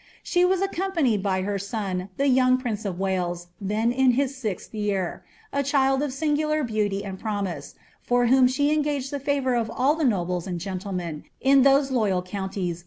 She was accompanied by her son, the young prince of Wales, llien in his sixth year, a child of sin|{ular besuLy and promise, for whom she engaged the favour of all the nobles and gentlemen, in those loyal couniies.